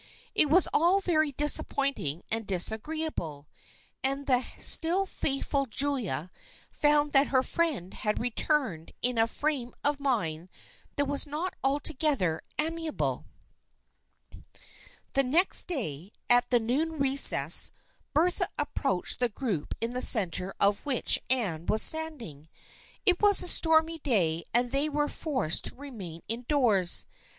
It was all very disap pointing and disagreeable, and the still faithful Julia found that her friend had returned in a frame of mind that was not altogether amiable. The next day, at the noon recess, Bertha ap proached the group in the centre of which Anne was standing. It was a stormy day and they were forced to remain indoors.